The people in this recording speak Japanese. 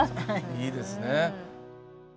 いいですね。